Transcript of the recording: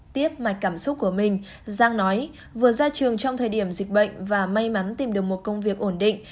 tiếp mạch cảm xúc của mình giang nói vừa ra trường trong thời điểm dịch bệnh và may mắn tìm được một công việc ổn định